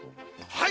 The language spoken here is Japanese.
はい！